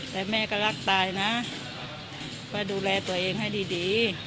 แต่แม่ก็รักตายนะก็ดูแลตัวเองให้ดี